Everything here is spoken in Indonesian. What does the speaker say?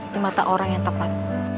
di mata orang yang tepat